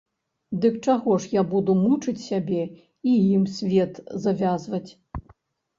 Дык чаго ж я буду мучыць сябе і ім свет завязваць?